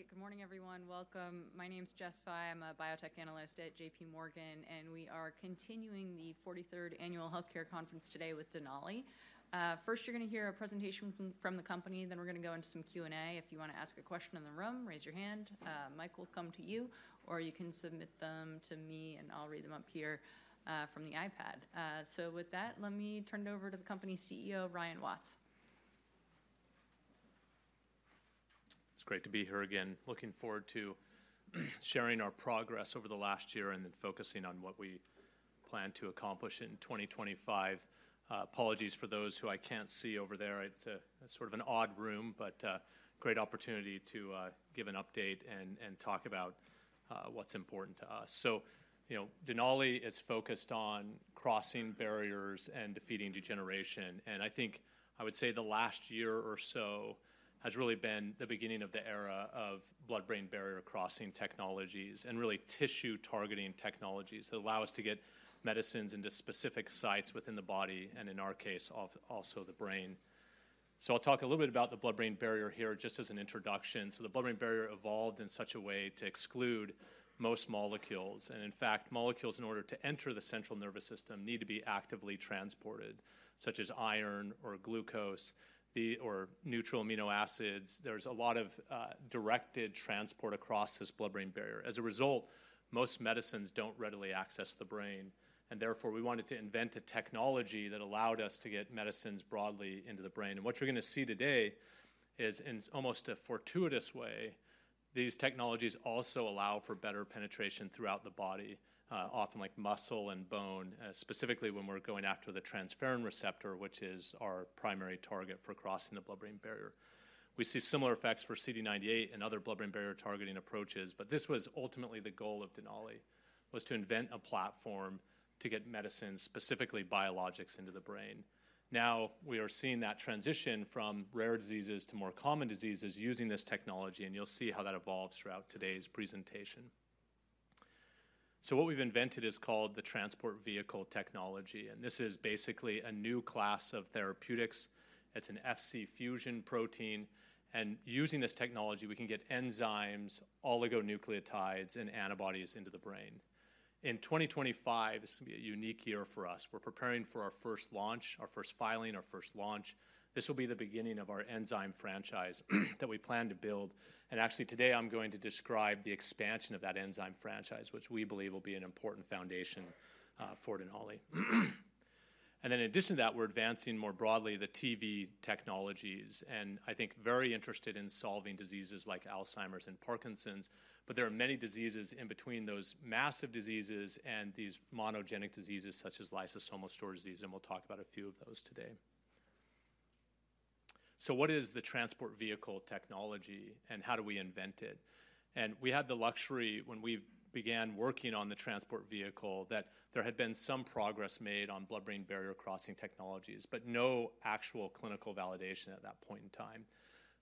Great. Good morning, everyone. Welcome. My name's Jess Fye. I'm a biotech analyst at J.P. Morgan, and we are continuing the 43rd Annual Healthcare Conference today with Denali. First, you're going to hear a presentation from the company, then we're going to go into some Q&A. If you want to ask a question in the room, raise your hand. Mike will come to you, or you can submit them to me, and I'll read them up here from the iPad. So with that, let me turn it over to the company's CEO, Ryan Watts. It's great to be here again. Looking forward to sharing our progress over the last year and then focusing on what we plan to accomplish in 2025. Apologies for those who I can't see over there. It's sort of an odd room, but a great opportunity to give an update and talk about what's important to us. So Denali is focused on crossing barriers and defeating degeneration. And I think I would say the last year or so has really been the beginning of the era of blood-brain barrier crossing technologies and really tissue-targeting technologies that allow us to get medicines into specific sites within the body and, in our case, also the brain. So I'll talk a little bit about the blood-brain barrier here just as an introduction. So the blood-brain barrier evolved in such a way to exclude most molecules. In fact, molecules, in order to enter the central nervous system, need to be actively transported, such as iron or glucose or neutral amino acids. There's a lot of directed transport across this blood-brain barrier. As a result, most medicines don't readily access the brain. And therefore, we wanted to invent a technology that allowed us to get medicines broadly into the brain. What you're going to see today is, in almost a fortuitous way, these technologies also allow for better penetration throughout the body, often like muscle and bone, specifically when we're going after the transferrin receptor, which is our primary target for crossing the blood-brain barrier. We see similar effects for CD98 and other blood-brain barrier targeting approaches, but this was ultimately the goal of Denali, was to invent a platform to get medicines, specifically biologics, into the brain. Now we are seeing that transition from rare diseases to more common diseases using this technology, and you'll see how that evolves throughout today's presentation, so what we've invented is called the Transport Vehicle technology, and this is basically a new class of therapeutics. It's an Fc fusion protein, and using this technology, we can get enzymes, oligonucleotides, and antibodies into the brain. In 2025, this will be a unique year for us. We're preparing for our first launch, our first filing, our first launch. This will be the beginning of our enzyme franchise that we plan to build, and actually, today, I'm going to describe the expansion of that enzyme franchise, which we believe will be an important foundation for Denali, and then in addition to that, we're advancing more broadly the TV technologies, and I think very interested in solving diseases like Alzheimer's and Parkinson's. There are many diseases in between those massive diseases and these monogenic diseases, such as lysosomal storage disease. We'll talk about a few of those today. What is the Transport Vehicle technology, and how do we invent it? We had the luxury, when we began working on the Transport Vehicle, that there had been some progress made on blood-brain barrier crossing technologies, but no actual clinical validation at that point in time.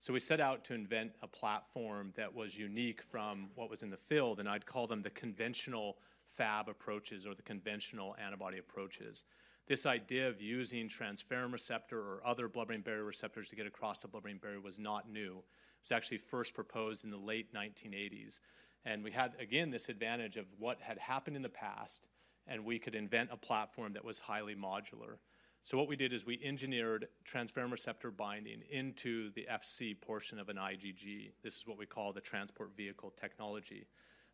We set out to invent a platform that was unique from what was in the field, and I'd call them the conventional Fab approaches or the conventional antibody approaches. This idea of using transferrin receptor or other blood-brain barrier receptors to get across the blood-brain barrier was not new. It was actually first proposed in the late 1980s. And we had, again, this advantage of what had happened in the past, and we could invent a platform that was highly modular. So what we did is we engineered transferrin receptor binding into the Fc portion of an IgG. This is what we call the Transport Vehicle technology.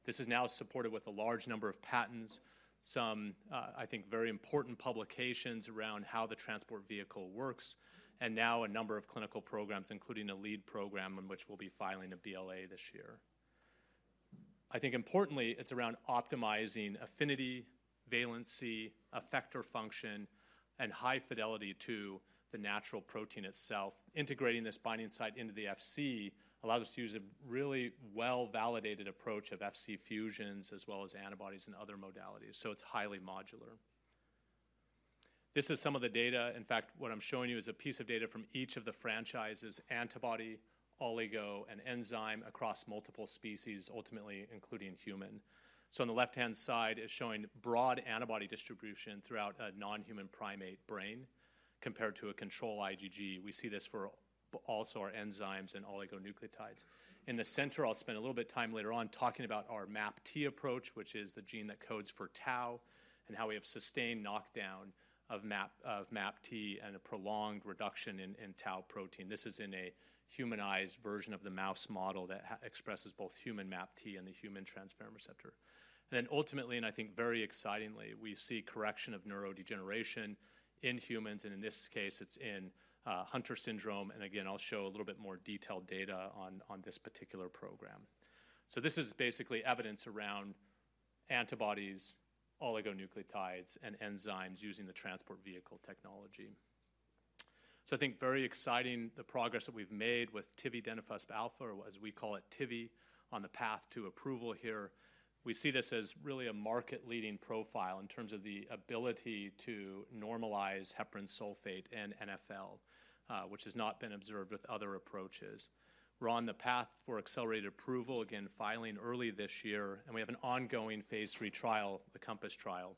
This is now supported with a large number of patents, some, I think, very important publications around how the Transport Vehicle works, and now a number of clinical programs, including a lead program in which we'll be filing a BLA this year. I think importantly, it's around optimizing affinity, valency, effector function, and high fidelity to the natural protein itself. Integrating this binding site into the Fc allows us to use a really well-validated approach of Fc fusions as well as antibodies and other modalities. So it's highly modular. This is some of the data. In fact, what I'm showing you is a piece of data from each of the franchises: antibody, oligo, and enzyme across multiple species, ultimately including human. So on the left-hand side, it's showing broad antibody distribution throughout a non-human primate brain compared to a control IgG. We also see this for our enzymes and oligonucleotides. In the center, I'll spend a little bit of time later on talking about our MAPT approach, which is the gene that codes for tau and how we have sustained knockdown of MAPT and a prolonged reduction in tau protein. This is in a humanized version of the mouse model that expresses both human MAPT and the human transferrin receptor. And then ultimately, and I think very excitingly, we see correction of neurodegeneration in humans, and in this case, it's in Hunter syndrome. Again, I'll show a little bit more detailed data on this particular program. This is basically evidence around antibodies, oligonucleotides, and enzymes using the Transport Vehicle technology. I think very exciting the progress that we've made with tividenofusp alfa, or as we call it Tivi, on the path to approval here. We see this as really a market-leading profile in terms of the ability to normalize heparan sulfate and NfL, which has not been observed with other approaches. We're on the path for accelerated approval, again, filing early this year, and we have an ongoing Phase III trial, the COMPASS trial.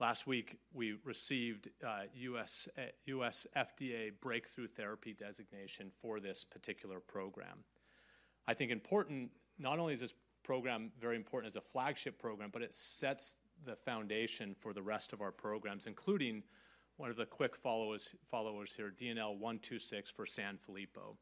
Last week, we received U.S. FDA breakthrough therapy designation for this particular program. I think it's important, not only is this program very important as a flagship program, but it sets the foundation for the rest of our programs, including one of the quick followers here, DNL126 for Sanfilippo.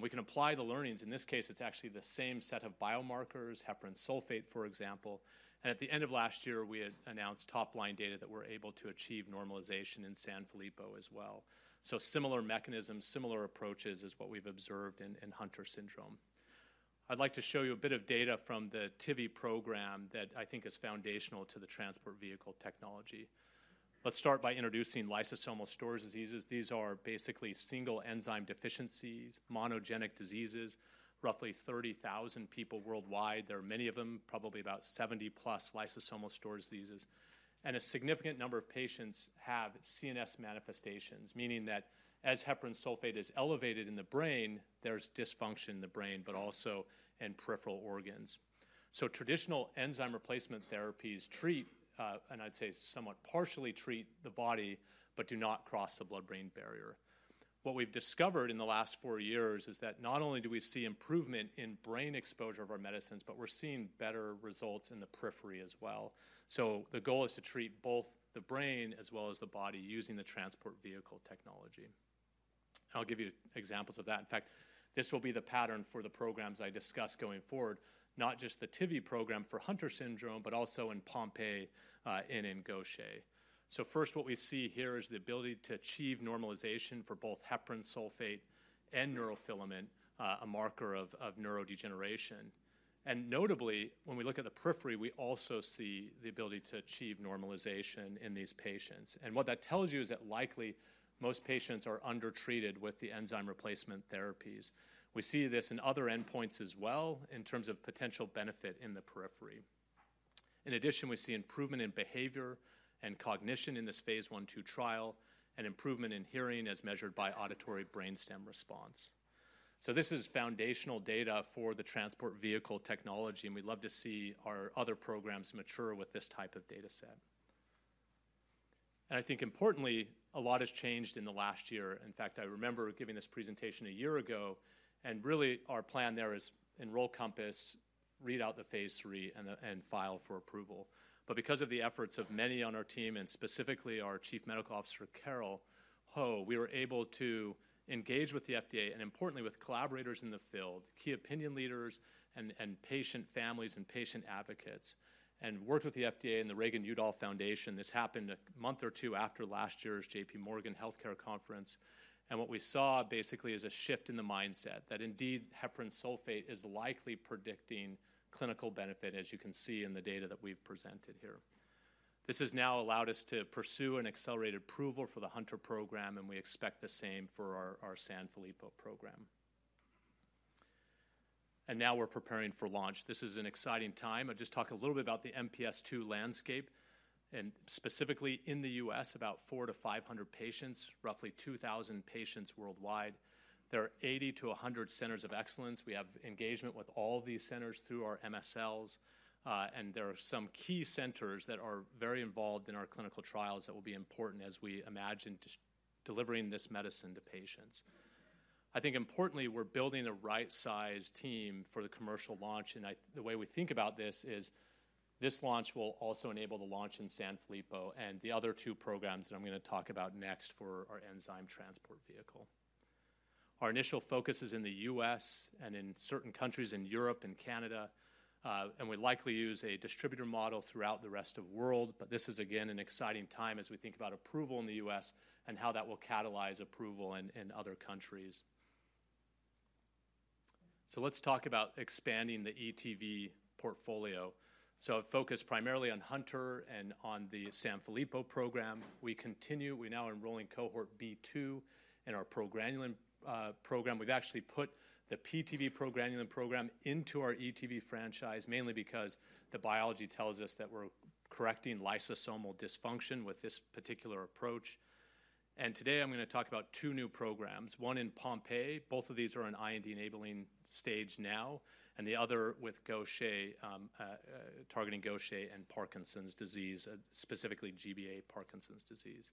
We can apply the learnings. In this case, it's actually the same set of biomarkers, heparan sulfate, for example. At the end of last year, we had announced top-line data that we're able to achieve normalization in Sanfilippo as well. Similar mechanisms, similar approaches is what we've observed in Hunter syndrome. I'd like to show you a bit of data from the Tivi program that I think is foundational to the Transport Vehicle technology. Let's start by introducing lysosomal storage diseases. These are basically single enzyme deficiencies, monogenic diseases. Roughly 30,000 people worldwide. There are many of them, probably about 70-plus lysosomal storage diseases. And a significant number of patients have CNS manifestations, meaning that as heparan sulfate is elevated in the brain, there's dysfunction in the brain, but also in peripheral organs. So traditional enzyme replacement therapies treat, and I'd say somewhat partially treat the body, but do not cross the blood-brain barrier. What we've discovered in the last four years is that not only do we see improvement in brain exposure of our medicines, but we're seeing better results in the periphery as well. So the goal is to treat both the brain as well as the body using the Transport Vehicle technology. And I'll give you examples of that. In fact, this will be the pattern for the programs I discuss going forward, not just the Tivi program for Hunter syndrome, but also in Pompe and in Gaucher. First, what we see here is the ability to achieve normalization for both heparan sulfate and neurofilament, a marker of neurodegeneration. And notably, when we look at the periphery, we also see the ability to achieve normalization in these patients. And what that tells you is that likely most patients are undertreated with the enzyme replacement therapies. We see this in other endpoints as well in terms of potential benefit in the periphery. In addition, we see improvement in behavior and cognition in this Phase I, II trial and improvement in hearing as measured by auditory brainstem response. So this is foundational data for the Transport Vehicle technology, and we'd love to see our other programs mature with this type of data set. And I think importantly, a lot has changed in the last year. In fact, I remember giving this presentation a year ago, and really our plan there is enroll COMPASS, read out the Phase III, and file for approval. But because of the efforts of many on our team and specifically our Chief Medical Officer, Carole Ho, we were able to engage with the FDA and importantly, with collaborators in the field, key opinion leaders, and patient families and patient advocates, and worked with the FDA and the Reagan-Udall Foundation. This happened a month or two after last year's J.P. Morgan Healthcare Conference. And what we saw basically is a shift in the mindset that indeed heparan sulfate is likely predicting clinical benefit, as you can see in the data that we've presented here. This has now allowed us to pursue an accelerated approval for the Hunter program, and we expect the same for our Sanfilippo program. Now we're preparing for launch. This is an exciting time. I'll just talk a little bit about the MPS II landscape. Specifically in the U.S., about 400-500 patients, roughly 2,000 patients worldwide. There are 80-100 centers of excellence. We have engagement with all of these centers through our MSLs. There are some key centers that are very involved in our clinical trials that will be important as we imagine delivering this medicine to patients. I think importantly, we're building the right-sized team for the commercial launch. The way we think about this is this launch will also enable the launch in Sanfilippo and the other two programs that I'm going to talk about next for our Enzyme Transport Vehicle. Our initial focus is in the U.S. and in certain countries in Europe and Canada. And we likely use a distributor model throughout the rest of the world, but this is, again, an exciting time as we think about approval in the U.S. and how that will catalyze approval in other countries. So let's talk about expanding the ETV portfolio. So I've focused primarily on Hunter and on the Sanfilippo program. We continue. We're now enrolling cohort B2 in our progranulin program. We've actually put the ETV progranulin program into our ETV franchise, mainly because the biology tells us that we're correcting lysosomal dysfunction with this particular approach. And today, I'm going to talk about two new programs, one in Pompe. Both of these are in IND-enabling stage now, and the other with Gaucher, targeting Gaucher and Parkinson's disease, specifically GBA Parkinson's disease.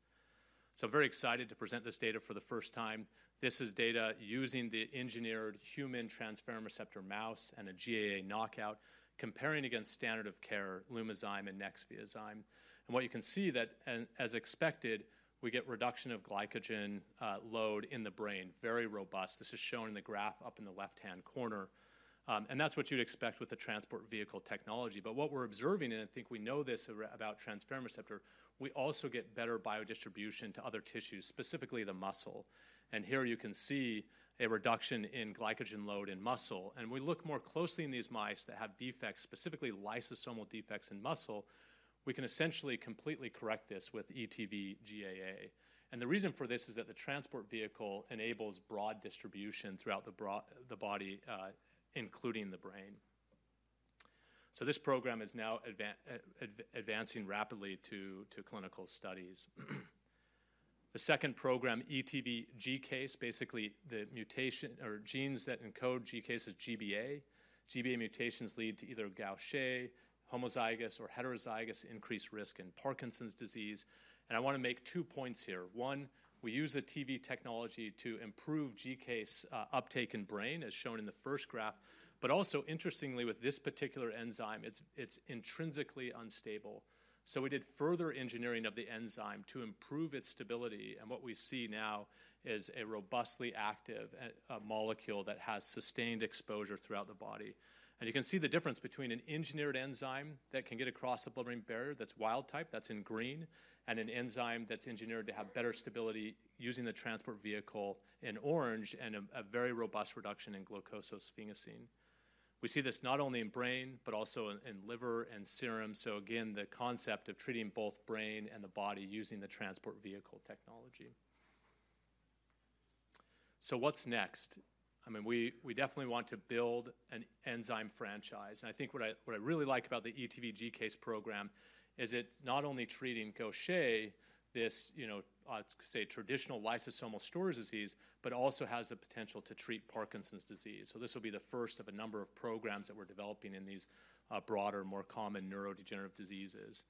So I'm very excited to present this data for the first time. This is data using the engineered human transferrin receptor mouse and a GAA knockout, comparing against standard of care Lumizyme and Nexviazyme, and what you can see that, as expected, we get reduction of glycogen load in the brain, very robust. This is shown in the graph up in the left-hand corner, and that's what you'd expect with the Transport Vehicle technology but what we're observing, and I think we know this about transferrin receptor, we also get better biodistribution to other tissues, specifically the muscle, and here you can see a reduction in glycogen load in muscle, and we look more closely in these mice that have defects, specifically lysosomal defects in muscle. We can essentially completely correct this with ETV GAA, and the reason for this is that the Transport Vehicle enables broad distribution throughout the body, including the brain. So this program is now advancing rapidly to clinical studies. The second program, ETV:GCase, basically the mutation or genes that encode GCase as GBA. GBA mutations lead to either Gaucher, homozygous, or heterozygous increased risk in Parkinson's disease. And I want to make two points here. One, we use the TV technology to improve GCase uptake in brain, as shown in the first graph. But also, interestingly, with this particular enzyme, it's intrinsically unstable. So we did further engineering of the enzyme to improve its stability. And what we see now is a robustly active molecule that has sustained exposure throughout the body. And you can see the difference between an engineered enzyme that can get across the blood-brain barrier that's wild type, that's in green, and an enzyme that's engineered to have better stability using the Transport Vehicle in orange, and a very robust reduction in glucosylsphingosine. We see this not only in brain, but also in liver and serum. So again, the concept of treating both brain and the body using the Transport Vehicle technology. So what's next? I mean, we definitely want to build an enzyme franchise. And I think what I really like about the ETV:GCase program is it's not only treating Gaucher, this, I'd say, traditional lysosomal storage disease, but also has the potential to treat Parkinson's disease. So this will be the first of a number of programs that we're developing in these broader, more common neurodegenerative diseases.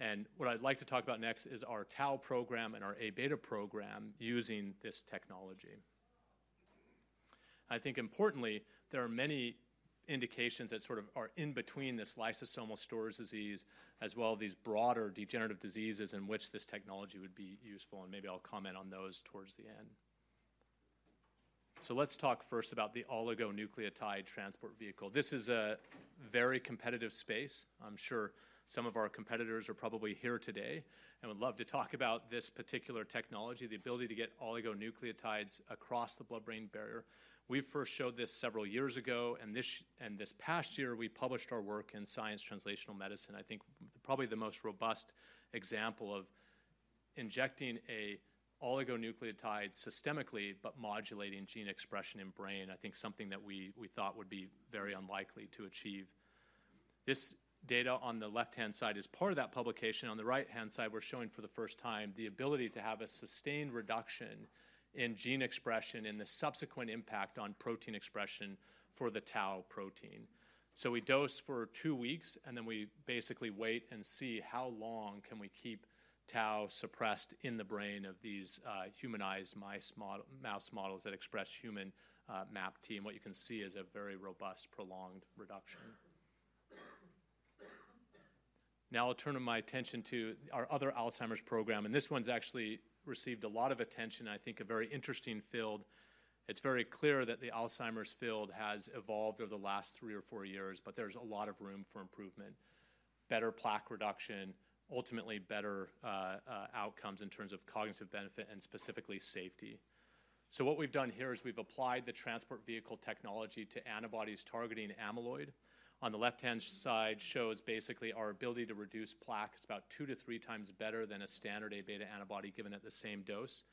And what I'd like to talk about next is our tau program and our Aβ program using this technology. I think importantly, there are many indications that sort of are in between this lysosomal storage disease as well as these broader degenerative diseases in which this technology would be useful. And maybe I'll comment on those towards the end. So let's talk first about the Oligonucleotide Transport Vehicle. This is a very competitive space. I'm sure some of our competitors are probably here today and would love to talk about this particular technology, the ability to get oligonucleotides across the blood-brain barrier. We first showed this several years ago. And this past year, we published our work in Science Translational Medicine. I think probably the most robust example of injecting an oligonucleotide systemically, but modulating gene expression in brain, I think something that we thought would be very unlikely to achieve. This data on the left-hand side is part of that publication. On the right-hand side, we're showing for the first time the ability to have a sustained reduction in gene expression and the subsequent impact on protein expression for the tau protein. We dose for two weeks, and then we basically wait and see how long we can keep tau suppressed in the brain of these humanized mouse models that express human MAPT. What you can see is a very robust prolonged reduction. Now I'll turn my attention to our other Alzheimer's program. This one's actually received a lot of attention and I think a very interesting field. It's very clear that the Alzheimer's field has evolved over the last three or four years, but there's a lot of room for improvement, better plaque reduction, ultimately better outcomes in terms of cognitive benefit and specifically safety. What we've done here is we've applied the Transport Vehicle technology to antibodies targeting amyloid. On the left-hand side shows basically our ability to reduce plaque. It's about two to three times better than a standard Aβ antibody given at the same dose.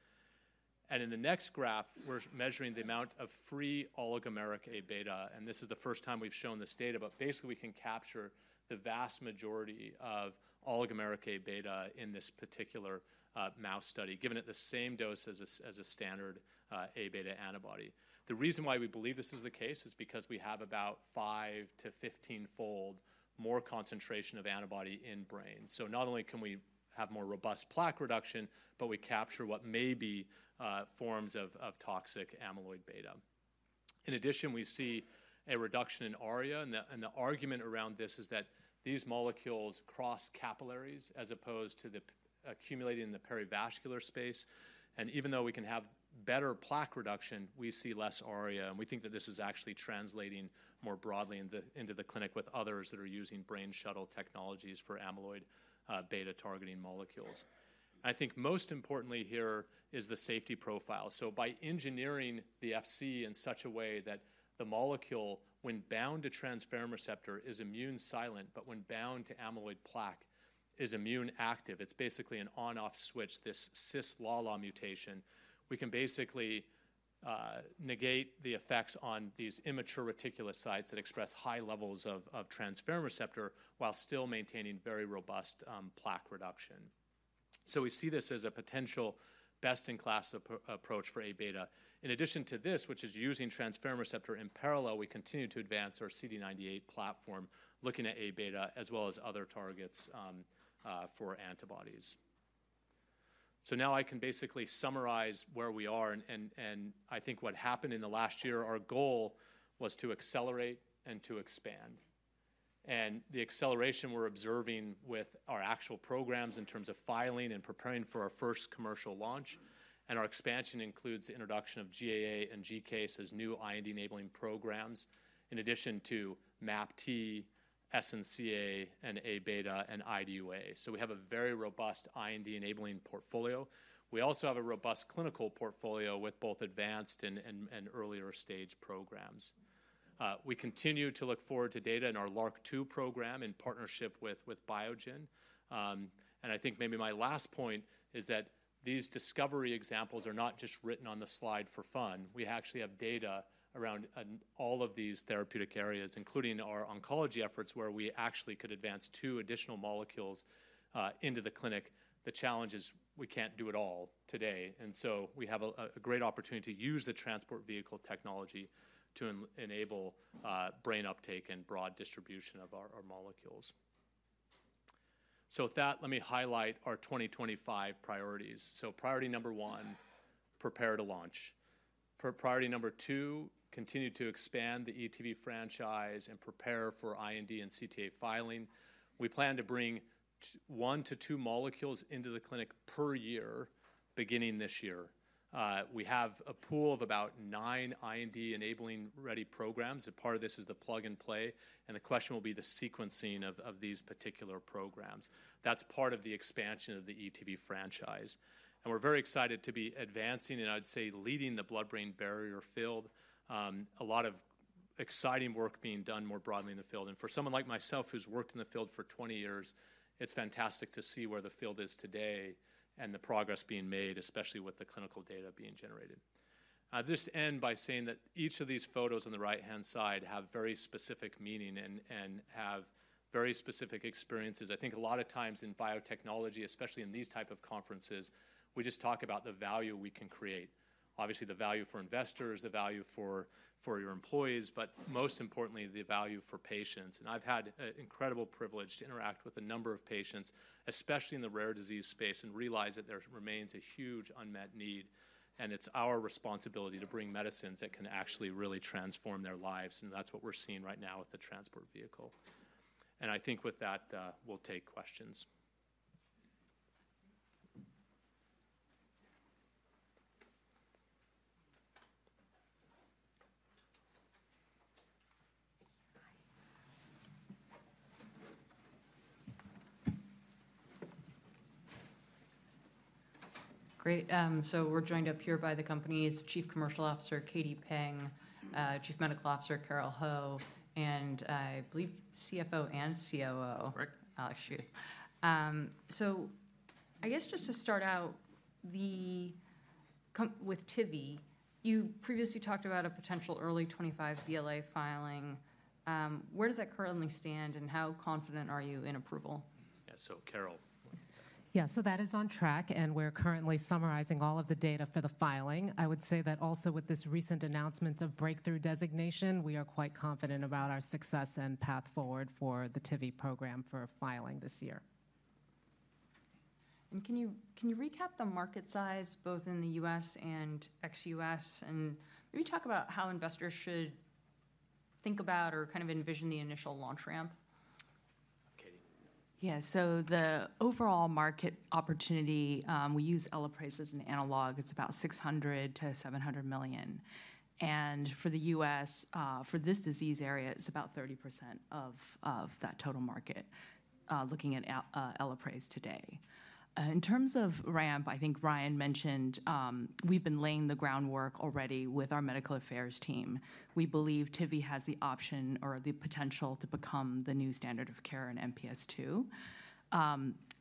And in the next graph, we're measuring the amount of free oligomeric Aβ. And this is the first time we've shown this data, but basically we can capture the vast majority of oligomeric Aβ in this particular mouse study, given at the same dose as a standard Aβ antibody. The reason why we believe this is the case is because we have about five to 15-fold more concentration of antibody in brain. So not only can we have more robust plaque reduction, but we capture what may be forms of toxic amyloid beta. In addition, we see a reduction in ARIA. And the argument around this is that these molecules cross capillaries as opposed to accumulating in the perivascular space. And even though we can have better plaque reduction, we see less ARIA. We think that this is actually translating more broadly into the clinic with others that are using brain shuttle technologies for amyloid beta-targeting molecules. I think most importantly here is the safety profile. By engineering the Fc in such a way that the molecule, when bound to transferrin receptor, is immune silent, but when bound to amyloid plaque, is immune active. It's basically an on-off switch, this cisLALA mutation. We can basically negate the effects on these immature reticulocytes that express high levels of transferrin receptor while still maintaining very robust plaque reduction. We see this as a potential best-in-class approach for Aβ. In addition to this, which is using transferrin receptor in parallel, we continue to advance our CD98 platform looking at Aβ as well as other targets for antibodies. Now I can basically summarize where we are. I think what happened in the last year, our goal was to accelerate and to expand. The acceleration we're observing with our actual programs in terms of filing and preparing for our first commercial launch. Our expansion includes the introduction of GAA and GCASE as new IND-enabling programs, in addition to MAPT, SNCA, and Aβ, and IDUA. So we have a very robust IND-enabling portfolio. We also have a robust clinical portfolio with both advanced and earlier stage programs. We continue to look forward to data in our LRRK2 program in partnership with Biogen. I think maybe my last point is that these discovery examples are not just written on the slide for fun. We actually have data around all of these therapeutic areas, including our oncology efforts where we actually could advance two additional molecules into the clinic. The challenge is we can't do it all today. And so we have a great opportunity to use the Transport Vehicle technology to enable brain uptake and broad distribution of our molecules. So with that, let me highlight our 2025 priorities. So priority number one, prepare to launch. Priority number two, continue to expand the ETV franchise and prepare for IND and CTA filing. We plan to bring one to two molecules into the clinic per year beginning this year. We have a pool of about nine IND-enabling ready programs. And part of this is the plug and play. And the question will be the sequencing of these particular programs. That's part of the expansion of the ETV franchise. And we're very excited to be advancing, and I'd say leading the blood-brain barrier field, a lot of exciting work being done more broadly in the field. For someone like myself who's worked in the field for 20 years, it's fantastic to see where the field is today and the progress being made, especially with the clinical data being generated. I'll just end by saying that each of these photos on the right-hand side have very specific meaning and have very specific experiences. I think a lot of times in biotechnology, especially in these types of conferences, we just talk about the value we can create. Obviously, the value for investors, the value for your employees, but most importantly, the value for patients. I've had an incredible privilege to interact with a number of patients, especially in the rare disease space, and realize that there remains a huge unmet need. It's our responsibility to bring medicines that can actually really transform their lives. That's what we're seeing right now with the Transport Vehicle. I think with that, we'll take questions. Great. We're joined up here by the company's Chief Commercial Officer, Katie Peng, Chief Medical Officer, Carole Ho, and I believe CFO and COO, Alex Schuth. I guess just to start out, with Tivi, you previously talked about a potential early 2025 BLA filing. Where does that currently stand, and how confident are you in approval? Yeah, so Carole. Yeah, so that is on track, and we're currently summarizing all of the data for the filing. I would say that also with this recent announcement of breakthrough designation, we are quite confident about our success and path forward for the Tivi program for filing this year. Can you recap the market size both in the U.S. and ex-U.S., and maybe talk about how investors should think about or kind of envision the initial launch ramp? Katie. Yeah, so the overall market opportunity, we use Elaprase as an analog. It's about $600 million-$700 million. And for the U.S., for this disease area, it's about 30% of that total market looking at Elaprase today. In terms of ramp, I think Ryan mentioned we've been laying the groundwork already with our medical affairs team. We believe Tivi has the option or the potential to become the new standard of care in MPS II.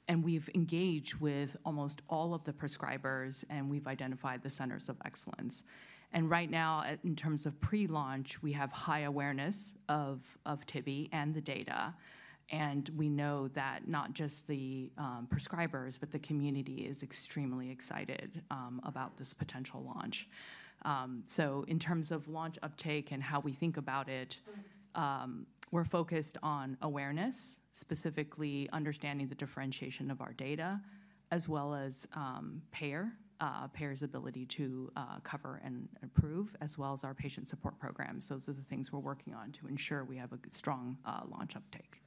And we've engaged with almost all of the prescribers, and we've identified the centers of excellence. And right now, in terms of pre-launch, we have high awareness of Tivi and the data. And we know that not just the prescribers, but the community is extremely excited about this potential launch. In terms of launch uptake and how we think about it, we're focused on awareness, specifically understanding the differentiation of our data, as well as payers' ability to cover and improve, as well as our patient support programs. Those are the things we're working on to ensure we have a strong launch uptake.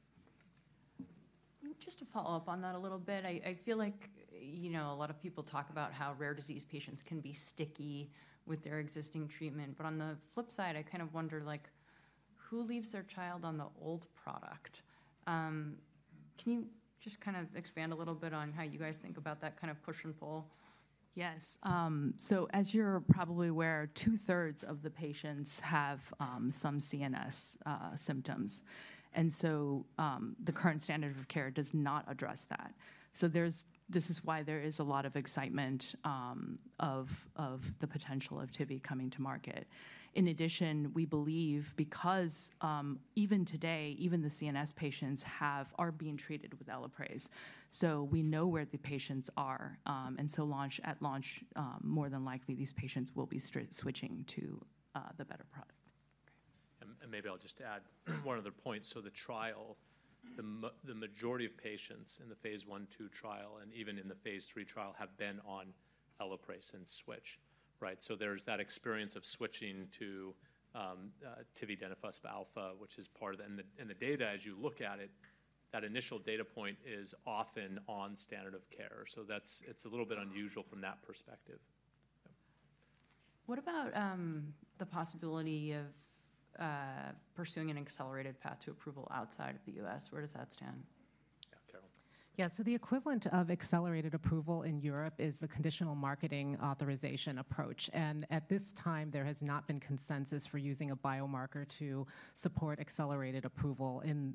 Just to follow up on that a little bit, I feel like a lot of people talk about how rare disease patients can be sticky with their existing treatment. But on the flip side, I kind of wonder, who leaves their child on the old product? Can you just kind of expand a little bit on how you guys think about that kind of push and pull? Yes. So as you're probably aware, two-thirds of the patients have some CNS symptoms. And so the current standard of care does not address that. This is why there is a lot of excitement about the potential of Tivi coming to market. In addition, we believe, because even today, even the CNS patients are being treated with Elaprase. We know where the patients are. At launch, more than likely, these patients will be switching to the better product. Maybe I'll just add one other point. The trial, the majority of patients in the Phase I, II trial and even in the Phase III trial have been on Elaprase and switch, right? There's that experience of switching to Tivi, tividenofusp alfa, which is part of the and the data, as you look at it, that initial data point is often on standard of care. It's a little bit unusual from that perspective. What about the possibility of pursuing an accelerated path to approval outside of the U.S.? Where does that stand? Yeah, Carole. Yeah, so the equivalent of accelerated approval in Europe is the conditional marketing authorization approach. And at this time, there has not been consensus for using a biomarker to support accelerated approval in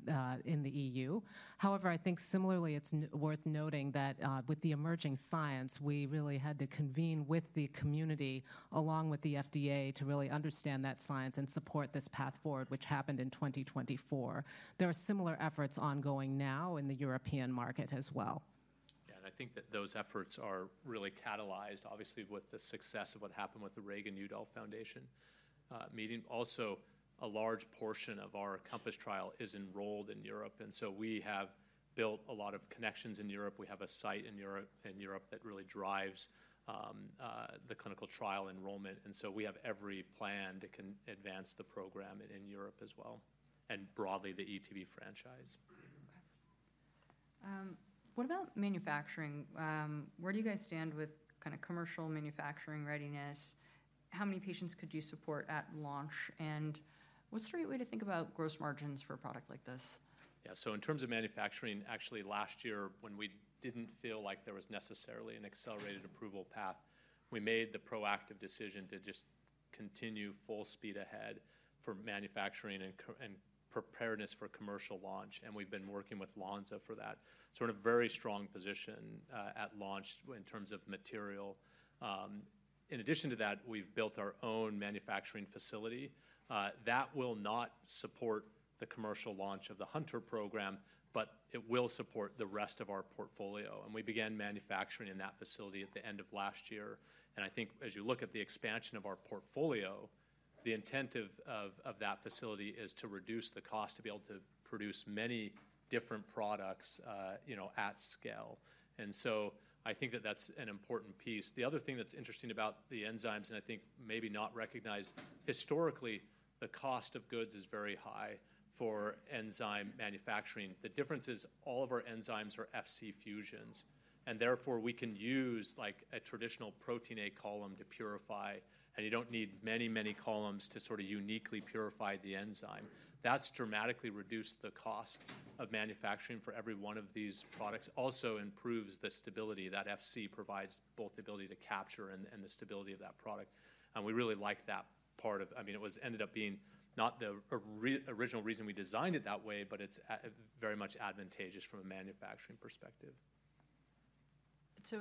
the EU. However, I think similarly, it's worth noting that with the emerging science, we really had to convene with the community along with the FDA to really understand that science and support this path forward, which happened in 2024. There are similar efforts ongoing now in the European market as well. Yeah, and I think that those efforts are really catalyzed, obviously, with the success of what happened with the Reagan-Udall Foundation meeting. Also, a large portion of our COMPASS trial is enrolled in Europe. And so we have built a lot of connections in Europe. We have a site in Europe that really drives the clinical trial enrollment. And so we have every plan to advance the program in Europe as well, and broadly the ETV franchise. Okay. What about manufacturing? Where do you guys stand with kind of commercial manufacturing readiness? How many patients could you support at launch? And what's the right way to think about gross margins for a product like this? Yeah, so in terms of manufacturing, actually last year, when we didn't feel like there was necessarily an accelerated approval path, we made the proactive decision to just continue full speed ahead for manufacturing and preparedness for commercial launch. And we've been working with Lonza for that. So we're in a very strong position at launch in terms of material. In addition to that, we've built our own manufacturing facility. That will not support the commercial launch of the Hunter program, but it will support the rest of our portfolio. We began manufacturing in that facility at the end of last year. I think as you look at the expansion of our portfolio, the intent of that facility is to reduce the cost to be able to produce many different products at scale. I think that that's an important piece. The other thing that's interesting about the enzymes, and I think maybe not recognized historically, the cost of goods is very high for enzyme manufacturing. The difference is all of our enzymes are Fc fusions. Therefore, we can use a traditional Protein A column to purify. You don't need many, many columns to sort of uniquely purify the enzyme. That's dramatically reduced the cost of manufacturing for every one of these products. Also improves the stability that Fc provides both the ability to capture and the stability of that product. We really like that part of, I mean, it ended up being not the original reason we designed it that way, but it's very much advantageous from a manufacturing perspective.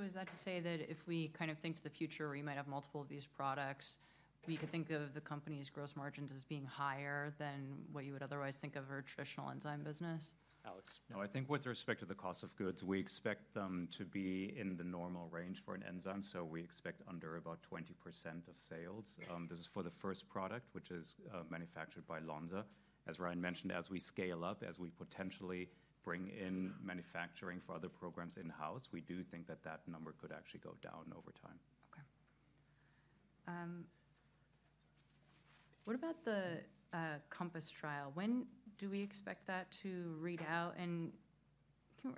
Is that to say that if we kind of think to the future, we might have multiple of these products, we could think of the company's gross margins as being higher than what you would otherwise think of our traditional enzyme business? No, I think with respect to the cost of goods, we expect them to be in the normal range for an enzyme. We expect under about 20% of sales. This is for the first product, which is manufactured by Lonza. As Ryan mentioned, as we scale up, as we potentially bring in manufacturing for other programs in-house, we do think that that number could actually go down over time. Okay. What about the COMPASS trial? When do we expect that to read out? And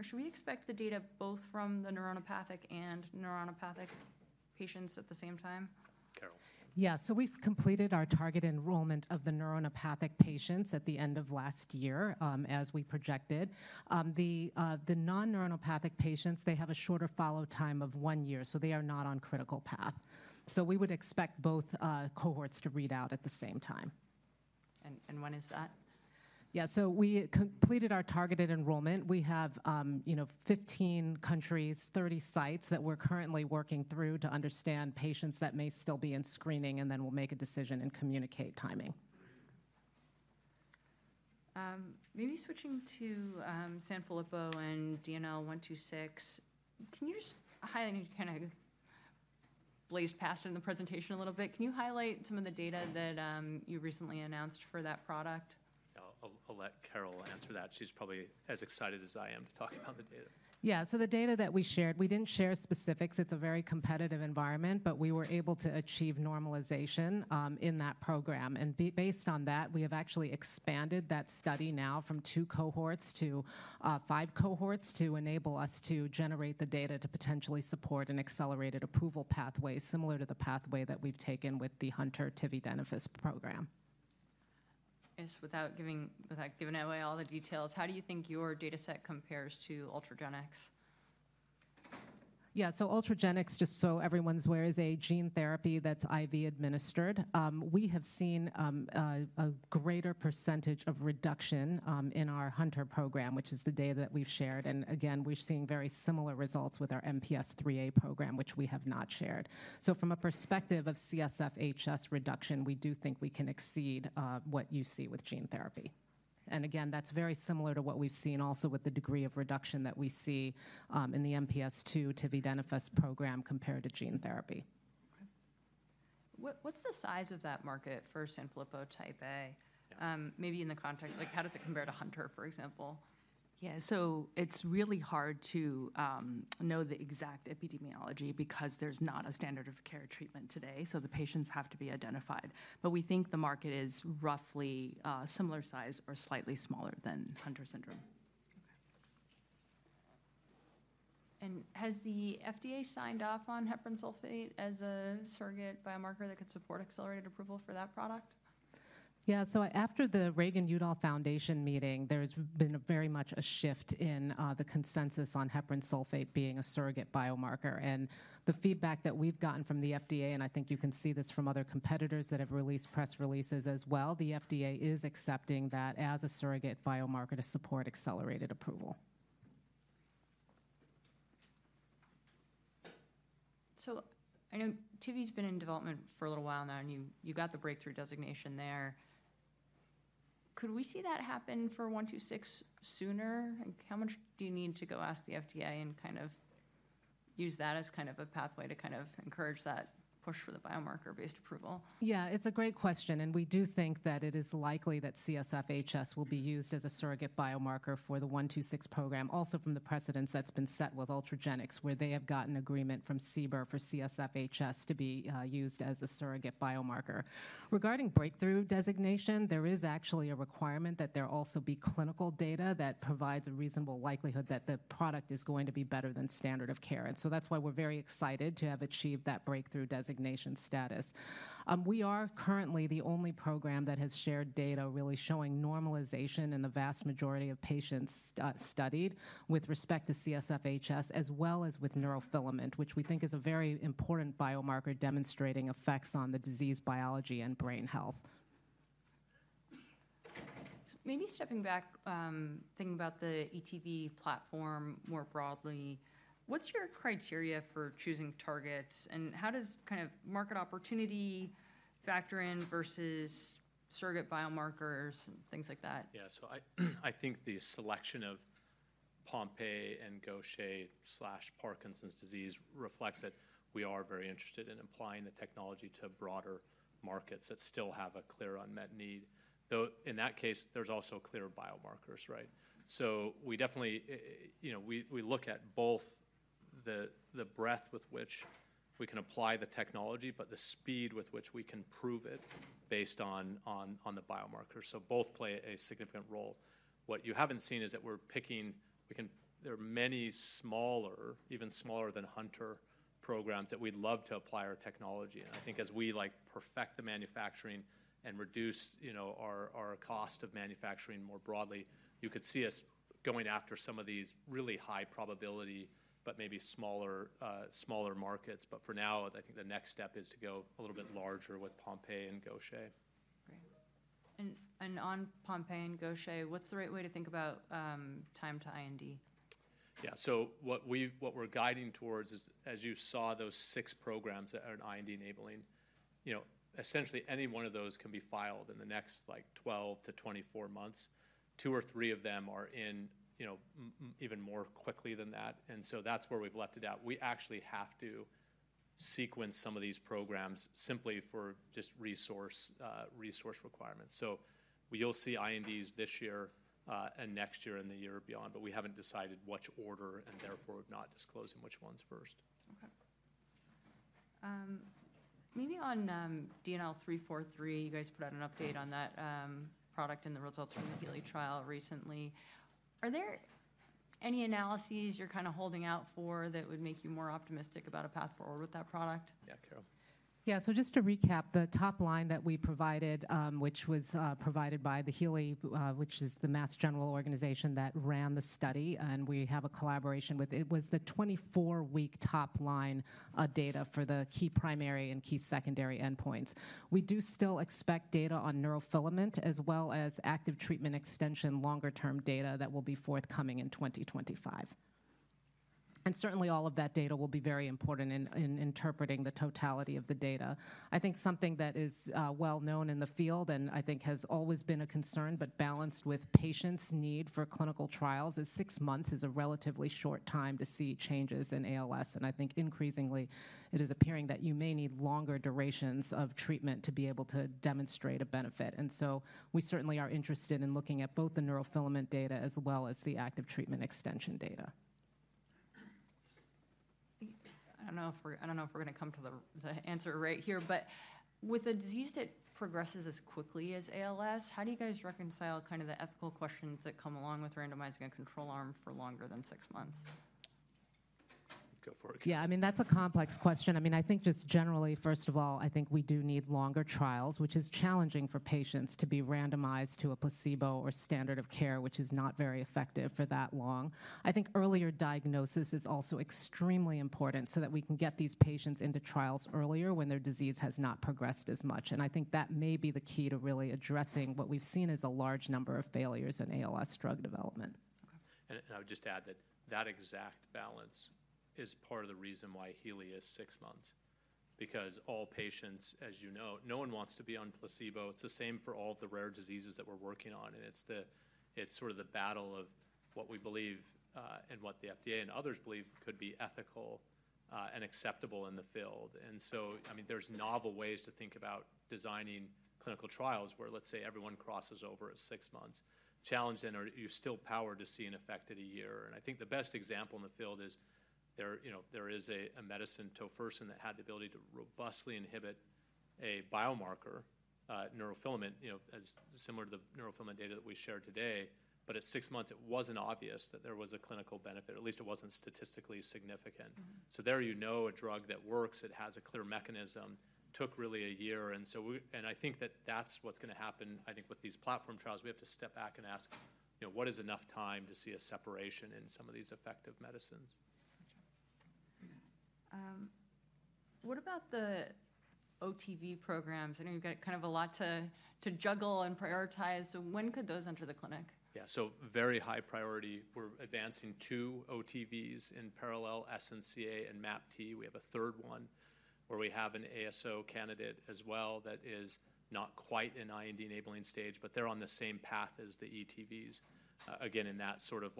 should we expect the data both from the neuronopathic and non-neuronopathic patients at the same time? Carole. Yeah, so we've completed our target enrollment of the neuronopathic patients at the end of last year as we projected. The non-neuronopathic patients, they have a shorter follow-up time of one year, so they are not on critical path. So we would expect both cohorts to read out at the same time. And when is that? Yeah, so we completed our targeted enrollment. We have 15 countries, 30 sites that we're currently working through to understand patients that may still be in screening, and then we'll make a decision and communicate timing. Maybe switching to Sanfilippo and DNL126. Can you just highlight, and you kind of blazed past it in the presentation a little bit, can you highlight some of the data that you recently announced for that product? I'll let Carole answer that. She's probably as excited as I am to talk about the data. Yeah, so the data that we shared, we didn't share specifics. It's a very competitive environment, but we were able to achieve normalization in that program, and based on that, we have actually expanded that study now from two cohorts to five cohorts to enable us to generate the data to potentially support an accelerated approval pathway similar to the pathway that we've taken with the Hunter Tivi tividenofusp program. Just without giving away all the details, how do you think your data set compares to Ultragenyx? Yeah, so Ultragenyx, just so everyone's aware, is a gene therapy that's IV administered. We have seen a greater percentage of reduction in our Hunter program, which is the data that we've shared. And again, we've seen very similar results with our MPS IIIA program, which we have not shared. So from a perspective of CSF HS reduction, we do think we can exceed what you see with gene therapy. And again, that's very similar to what we've seen also with the degree of reduction that we see in the MPS II tividenofusp program compared to gene therapy. Okay. What's the size of that market for Sanfilippo Type A? Maybe in the context, how does it compare to Hunter, for example? Yeah, so it's really hard to know the exact epidemiology because there's not a standard of care treatment today. So the patients have to be identified. But we think the market is roughly similar size or slightly smaller than Hunter syndrome. Okay. Has the FDA signed off on heparan sulfate as a surrogate biomarker that could support accelerated approval for that product? Yeah, so after the Reagan-Udall Foundation meeting, there's been very much a shift in the consensus on heparan sulfate being a surrogate biomarker. And the feedback that we've gotten from the FDA, and I think you can see this from other competitors that have released press releases as well, the FDA is accepting that as a surrogate biomarker to support accelerated approval. So I know Tivi's been in development for a little while now, and you got the breakthrough designation there. Could we see that happen for 126 sooner? And how much do you need to go ask the FDA and kind of use that as kind of a pathway to kind of encourage that push for the biomarker-based approval? Yeah, it's a great question. We do think that it is likely that CSFHS will be used as a surrogate biomarker for the 126 program. Also from the precedent that's been set with Ultragenyx, where they have gotten agreement from CBER for CSFHS to be used as a surrogate biomarker. Regarding breakthrough designation, there is actually a requirement that there also be clinical data that provides a reasonable likelihood that the product is going to be better than standard of care. That's why we're very excited to have achieved that breakthrough designation status. We are currently the only program that has shared data really showing normalization in the vast majority of patients studied with respect to CSFHS, as well as with neurofilament, which we think is a very important biomarker demonstrating effects on the disease biology and brain health. Maybe stepping back, thinking about the ETV platform more broadly, what's your criteria for choosing targets? And how does kind of market opportunity factor in versus surrogate biomarkers and things like that? Yeah, so I think the selection of Pompe and Gaucher/Parkinson's disease reflects that we are very interested in applying the technology to broader markets that still have a clear unmet need. Though in that case, there's also clear biomarkers, right? So we definitely, we look at both the breadth with which we can apply the technology, but the speed with which we can prove it based on the biomarkers. So both play a significant role. What you haven't seen is that we're picking, there are many smaller, even smaller than Hunter programs that we'd love to apply our technology. And I think as we perfect the manufacturing and reduce our cost of manufacturing more broadly, you could see us going after some of these really high probability, but maybe smaller markets. But for now, I think the next step is to go a little bit larger with Pompe and Gaucher. Right. And on Pompe and Gaucher, what's the right way to think about time to IND? Yeah, so what we're guiding towards is, as you saw those six programs that are IND enabling, essentially any one of those can be filed in the next 12-24 months. Two or three of them are in even more quickly than that. And so that's where we've left it out. We actually have to sequence some of these programs simply for just resource requirements. You'll see INDs this year and next year and the year beyond, but we haven't decided which order and therefore we're not disclosing which ones first. Okay. Maybe on DNL343, you guys put out an update on that product and the results from the Healey trial recently. Are there any analyses you're kind of holding out for that would make you more optimistic about a path forward with that product? Yeah, Carole. Yeah, so just to recap, the top line that we provided, which was provided by the Healey, which is the Mass General organization that ran the study, and we have a collaboration with, it was the 24-week top line data for the key primary and key secondary endpoints. We do still expect data on neurofilament as well as active treatment extension longer-term data that will be forthcoming in 2025. Certainly all of that data will be very important in interpreting the totality of the data. I think something that is well known in the field and I think has always been a concern, but balanced with patients' need for clinical trials, is six months a relatively short time to see changes in ALS. I think increasingly it is appearing that you may need longer durations of treatment to be able to demonstrate a benefit. We certainly are interested in looking at both the neurofilament data as well as the active treatment extension data. I don't know if we're going to come to the answer right here, but with a disease that progresses as quickly as ALS, how do you guys reconcile kind of the ethical questions that come along with randomizing a control arm for longer than six months? Go for it. Yeah, I mean, that's a complex question. I mean, I think just generally, first of all, I think we do need longer trials, which is challenging for patients to be randomized to a placebo or standard of care, which is not very effective for that long. I think earlier diagnosis is also extremely important so that we can get these patients into trials earlier when their disease has not progressed as much. And I would just add that that exact balance is part of the reason why Healey is six months, because all patients, as you know, no one wants to be on placebo. It's the same for all of the rare diseases that we're working on. It's sort of the battle of what we believe and what the FDA and others believe could be ethical and acceptable in the field, so I mean, there's novel ways to think about designing clinical trials where, let's say, everyone crosses over at six months. Challenge then, are you still powered to see an effect at a year? I think the best example in the field is there is a medicine, Tofersen, that had the ability to robustly inhibit a biomarker, neurofilament, similar to the neurofilament data that we shared today, but at six months it wasn't obvious that there was a clinical benefit. At least it wasn't statistically significant, so there, you know a drug that works, it has a clear mechanism, took really a year. I think that that's what's going to happen, I think, with these platform trials. We have to step back and ask, what is enough time to see a separation in some of these effective medicines? What about the OTV programs? I know you've got kind of a lot to juggle and prioritize. So when could those enter the clinic? Yeah, so very high priority. We're advancing two OTVs in parallel, SNCA and MAPT. We have a third one where we have an ASO candidate as well that is not quite in IND-enabling stage, but they're on the same path as the ETVs. Again, in that sort of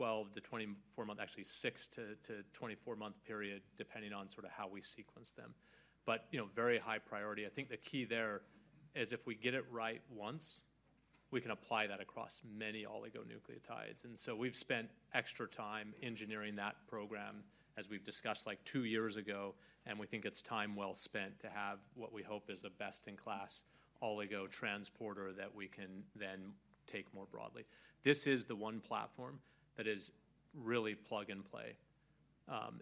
12-24-month, actually 6-24-month period, depending on sort of how we sequence them. But very high priority. I think the key there is if we get it right once, we can apply that across many oligonucleotides. And so we've spent extra time engineering that program, as we've discussed two years ago, and we think it's time well spent to have what we hope is a best-in-class oligotransporter that we can then take more broadly. This is the one platform that is really plug and play.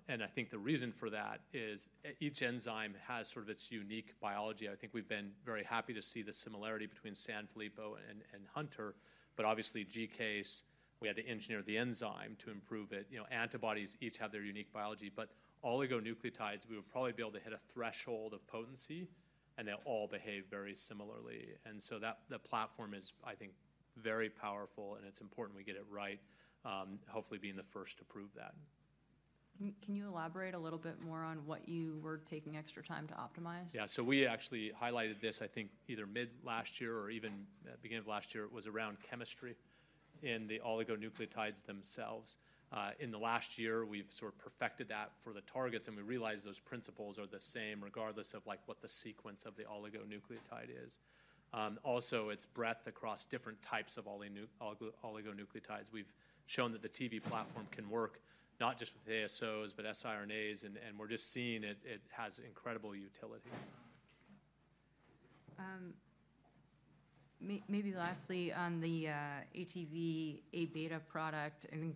And I think the reason for that is each enzyme has sort of its unique biology. I think we've been very happy to see the similarity between Sanfilippo and Hunter, but obviously GCase, we had to engineer the enzyme to improve it. Antibodies each have their unique biology, but oligonucleotides, we would probably be able to hit a threshold of potency, and they all behave very similarly. And so the platform is, I think, very powerful, and it's important we get it right, hopefully being the first to prove that. Can you elaborate a little bit more on what you were taking extra time to optimize? Yeah, so we actually highlighted this, I think, either mid-last year or even beginning of last year. It was around chemistry in the oligonucleotides themselves. In the last year, we've sort of perfected that for the targets, and we realize those principles are the same regardless of what the sequence of the oligonucleotide is. Also, its breadth across different types of oligonucleotides. We've shown that the TV platform can work not just with ASOs, but siRNAs, and we're just seeing it has incredible utility. Maybe lastly on the ATV:Aβ product, I think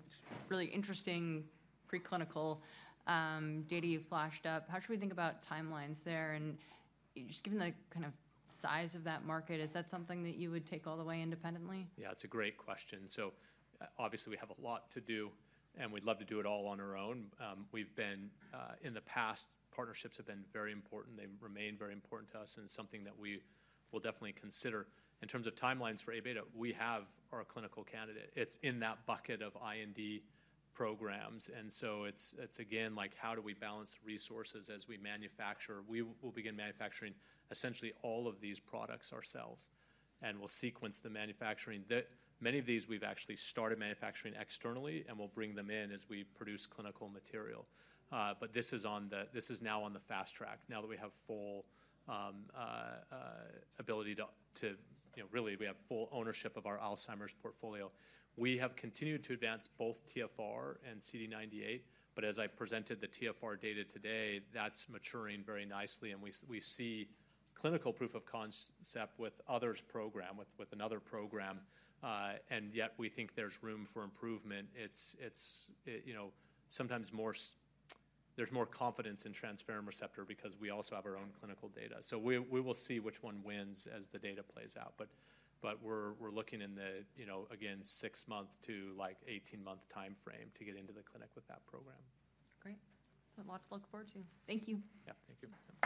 really interesting preclinical data you flashed up. How should we think about timelines there? And just given the kind of size of that market, is that something that you would take all the way independently? Yeah, it's a great question. Obviously we have a lot to do, and we'd love to do it all on our own. We've been in the past, partnerships have been very important. They remain very important to us and something that we will definitely consider. In terms of timelines for Aβ, we have our clinical candidate. It's in that bucket of IND programs. And so it's again, how do we balance resources as we manufacture? We will begin manufacturing essentially all of these products ourselves. And we'll sequence the manufacturing. Many of these we've actually started manufacturing externally, and we'll bring them in as we produce clinical material. But this is now on the fast track. Now that we have full ability to really, we have full ownership of our Alzheimer's portfolio. We have continued to advance both TfR and CD98, but as I presented the TfR data today, that's maturing very nicely. We see clinical proof of concept with others' program, with another program, and yet we think there's room for improvement. Sometimes there's more confidence in transferrin receptor because we also have our own clinical data. So we will see which one wins as the data plays out. But we're looking in the, again, six-month to 18-month timeframe to get into the clinic with that program. Great. Lots to look forward to. Thank you. Yeah, thank you.